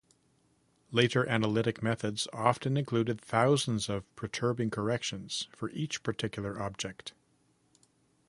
Later analytic methods often included thousands of perturbing corrections for each particular object.